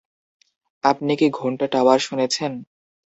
আপনি কি ঘন্টা টাওয়ার শুনেছেন?